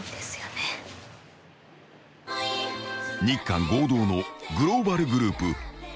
［日韓合同のグローバルグループＩＺ